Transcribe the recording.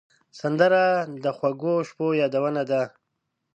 سندره د خوږو شپو یادونه ده